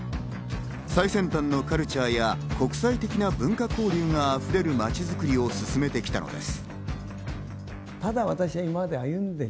最先端のカルチャーや国際的な文化交流が溢れるまちづくりを進めてきたのです。